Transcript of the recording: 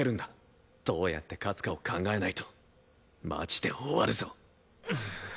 どうやって勝つかを考えないとマジで終わるぞ。